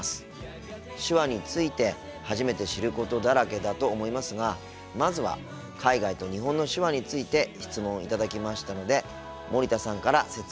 手話について初めて知ることだらけだと思いますがまずは海外と日本の手話について質問を頂きましたので森田さんから説明していただきたいと思います。